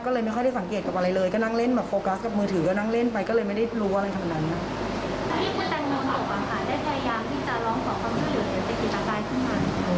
ก็เลยไม่ค่อยได้สังเกตกับอะไรเลยก็นั่งเล่นแบบโฟกัสกับมือถือก็นั่งเล่นไปก็เลยไม่ได้รู้อะไรทั้งนั้น